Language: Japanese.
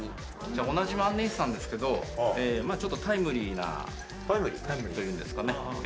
じゃあ同じ万年筆なんですけどちょっとタイムリーなというんですかね